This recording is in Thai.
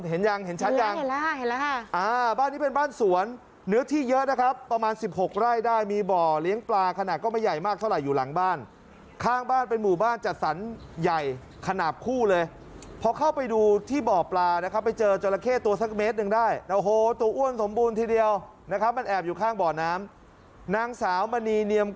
เห็นยังเห็นชัดยังอ่าที่เป็นบ้านสวน